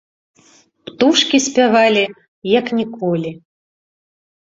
Птушкі спявалі як ніколі.